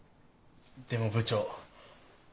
でも部長。